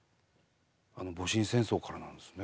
戊辰戦争からなんですね。